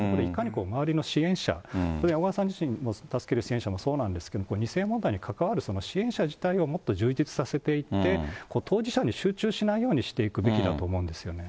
それを周りの支援者、小川さん自身を助ける支援者もそうなんですけど、２世問題に関わる支援者自体をもっと充実させていって、当事者に集中しないようにしていくべきだと思うんですよね。